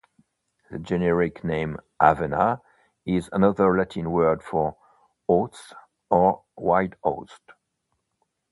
The generic name "Avena" is another Latin word for "oats" or "wild oats".